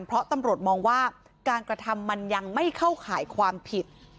เพราะตำรวจมองว่าการกระทำมันยังไม่เข้าข่ายความผิด